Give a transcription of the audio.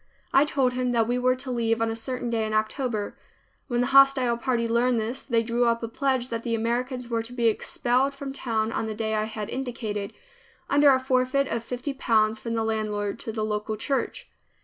I told him that we were to leave on a certain day in October. When the hostile party learned this, they drew up a pledge that the Americans were to be expelled from town on the day I had indicated, under a forfeit of fifty pounds from the landlord to the local church.